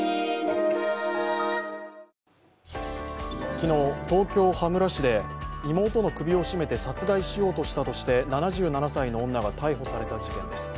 昨日、東京・羽村市で妹の首を絞めて殺害しようとしたとして７７歳の女が逮捕された事件です。